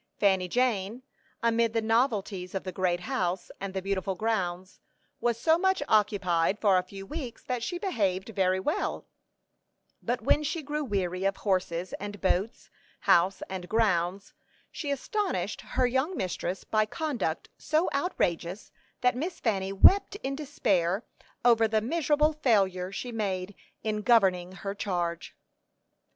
Fanny Jane, amid the novelties of the great house, and the beautiful grounds, was so much occupied for a few weeks that she behaved very well; but when she grew weary of horses and boats, house and grounds, she astonished her young mistress by conduct so outrageous that Miss Fanny wept in despair over the miserable failure she made in governing her charge.